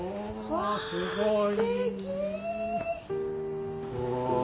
おすごい。